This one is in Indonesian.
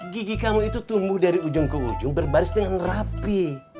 gigi kamu itu tumbuh dari ujung ke ujung berbaris dengan rapi